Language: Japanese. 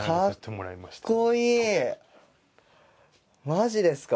マジですか！